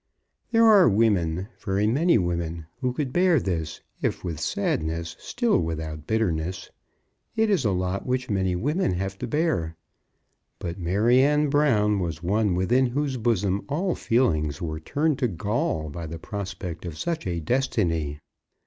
There are women, very many women, who could bear this, if with sadness, still without bitterness. It is a lot which many women have to bear; but Maryanne Brown was one within whose bosom all feelings were turned to gall by the prospect of such a destiny.